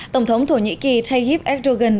tổng thống thổ nhĩ kỳ tayyip erdogan